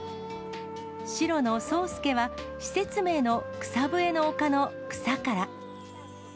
白の草助は、施設名の草ぶえの丘の草から。